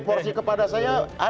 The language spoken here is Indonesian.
porsi kepada saya